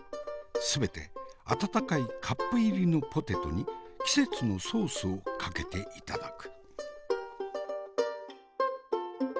全て温かいカップ入りのポテトに季節のソースをかけて頂く。